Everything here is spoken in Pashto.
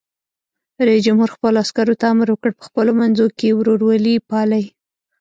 رئیس جمهور خپلو عسکرو ته امر وکړ؛ په خپلو منځو کې ورورولي پالئ!